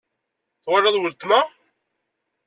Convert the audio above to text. Twalaḍ weltma?